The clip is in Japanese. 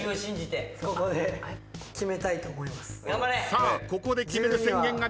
さあここで決める宣言が出た。